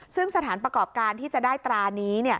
ซึ่งสถานประกอบการที่จะได้ตรานี้